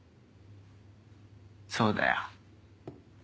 そうだよ。